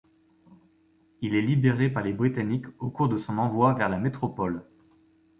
Il est libéré par les Britanniques au cours de son envoi vers la métropole.